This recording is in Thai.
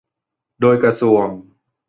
โดยกระทรวง